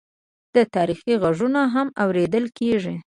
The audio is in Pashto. د تاریخ غږونه هم اورېدل کېږي.